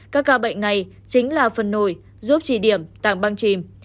các ca bệnh này chính là phần nổi giúp trì điểm tàng băng chìm